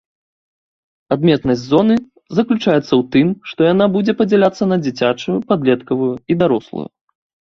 Адметнасць зоны заключаецца ў тым, што яна будзе падзяляцца на дзіцячую, падлеткавую і дарослую.